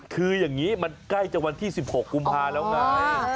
คืออย่างนี้มันใกล้จะวันที่๑๖กุมภาแล้วไง